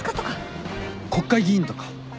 国会議員とか。